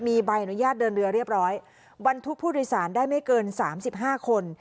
มีใบอนุญาตเดินเรือเรียบร้อยบรรทุกผู้โดยสารได้ไม่เกิน๓๕คน